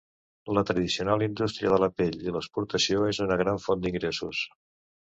La tradicional indústria de la pell i l'exportació és una gran font d'ingressos.